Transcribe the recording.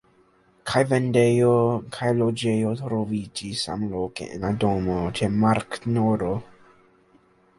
Kaj vendejo kaj loĝejo troviĝis samloke en la domo ĉe Markt nr.